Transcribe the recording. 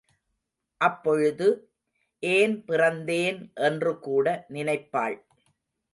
அப்பொழுது, ஏன் பிறந்தேன் என்று கூட நினைப்பாள்.